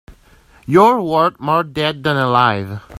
You're worth more dead than alive.